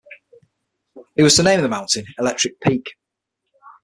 He was to name the mountain Electric Peak.